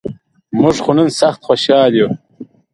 مونږ خو نن سخت خوشال یوو.